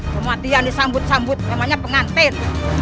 kematian disambut sambut namanya pengantin